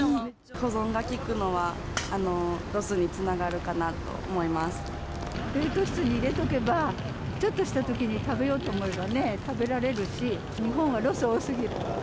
保存が利くのは、ロスにつな冷凍室に入れとけば、ちょっとしたときに食べようと思えばね、食べられるし、日本はロス多すぎる。